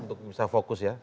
untuk bisa fokus ya